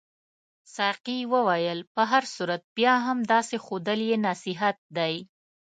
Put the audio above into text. ساقي وویل په هر صورت بیا هم داسې ښودل یې نصیحت دی.